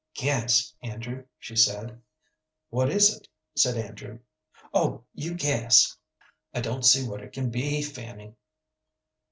"Guess, Andrew," she said. "What is it?" said Andrew. "Oh, you guess." "I don't see what it can be, Fanny."